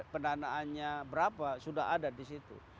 pendanaannya berapa sudah ada di situ